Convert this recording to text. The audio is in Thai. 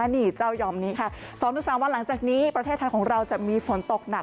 นี่เจ้ายอมนี้ค่ะ๒๓วันหลังจากนี้ประเทศไทยของเราจะมีฝนตกหนัก